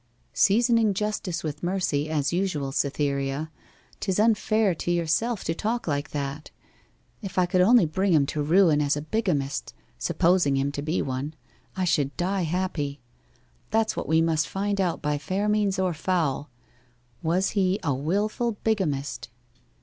'Seasoning justice with mercy as usual, Cytherea. 'Tis unfair to yourself to talk like that. If I could only bring him to ruin as a bigamist supposing him to be one I should die happy. That's what we must find out by fair means or foul was he a wilful bigamist?